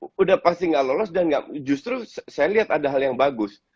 sudah pasti gak lolos dan justru saya lihat ada hal yang bagus